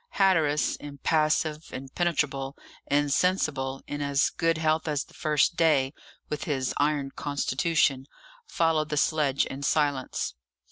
Hatteras, impassive, impenetrable, insensible, in as good health as the first day, with his iron constitution, followed the sledge in silence.